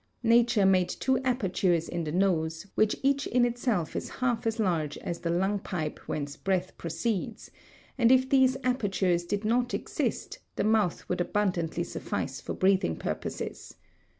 Nature made two apertures in the nose, which each in itself is half as large as the lung pipe whence breath proceeds, and if these apertures did not exist the mouth would abundantly suffice for breathing purposes.